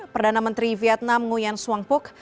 perdana menteri vietnam nguyen suang phuc